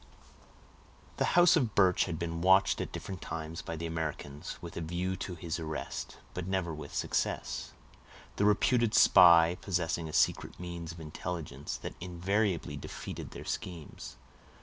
The house of Birch had been watched at different times by the Americans, with a view to his arrest, but never with success; the reputed spy possessing a secret means of intelligence, that invariably defeated their schemes.